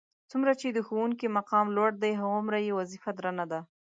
څومره چې د ښوونکي مقام لوړ دی هغومره یې وظیفه درنه ده.